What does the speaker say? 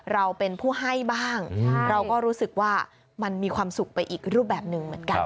เราเป็นผู้ให้บ้างเราก็รู้สึกว่ามันมีความสุขไปอีกรูปแบบหนึ่งเหมือนกัน